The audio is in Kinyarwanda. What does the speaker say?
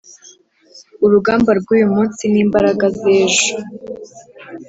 urugamba rw'uyu munsi ni imbaraga z'ejo.